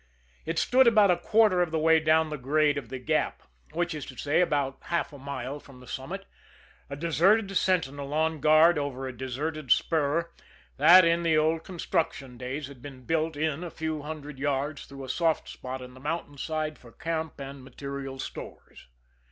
It stood about a quarter of the way down the grade of The Gap, which is to say about half a mile from the summit, a deserted sentinel on guard over a deserted spur that, in the old construction days, had been built in a few hundred yards through a soft spot in the mountain side for camp and material stores.